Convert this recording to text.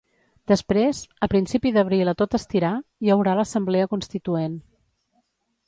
Després –a principi d’abril a tot estirar– hi haurà l’assemblea constituent.